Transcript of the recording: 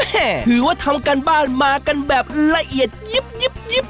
ถือว่าทำการบ้านมากันแบบละเอียดยิบ